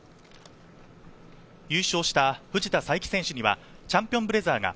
優勝した藤田さいき選手にはチャンピオンブレザーが。